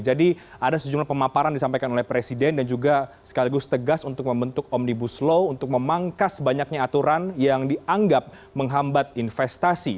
jadi ada sejumlah pemaparan disampaikan oleh presiden dan juga sekaligus tegas untuk membentuk omnibus law untuk memangkas banyaknya aturan yang dianggap menghambat investasi